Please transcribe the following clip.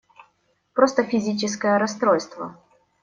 Просто физическое расстройство!